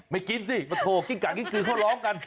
ไม่กินสิมาโทรกิ้งกากิ้งกืเขาร้องกัน